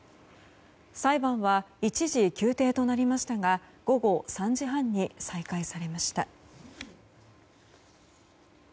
裁判は一時休廷となりましたが午後３時半に再開されました。